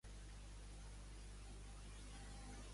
Quan va néixer Paula Delpuig?